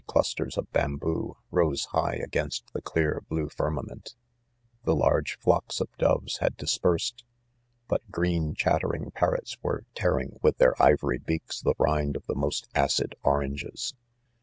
.clusters of . bamboo, rose high against the clear blue firmament. THE CORFESSIOWS. 6T ' g The large flocks' of doveslhad dispersed, but green chattering parrots were^ tearing with their ivory beaks the rind of the most aeicl oranges.